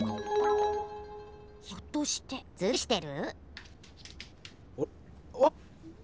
ひょっとしてずるしてる？